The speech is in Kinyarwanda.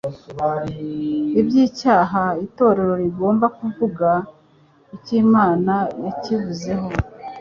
Iby'icyaha, itorero rigomba kuvuga icyo Imana yakivuzeho.